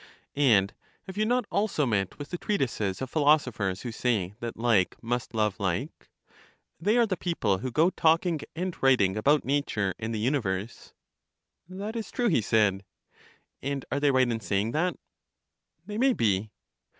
And have you not also met with the treatises of philosophers who say that like must love like? they are the people who go talking and writing about na ture and the universe. That is true, he said. And are they right in saying that? They may be.